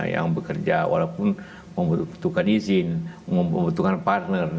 yang bekerja walaupun membutuhkan izin membutuhkan partner